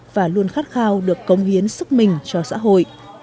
và luôn khát khao được công hiến sức mình cho xã hội